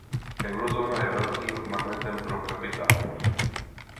Eurozóna je velkým magnetem pro kapitál.